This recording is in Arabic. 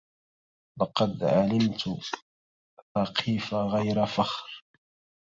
لقد علمت ثقيف غير فخر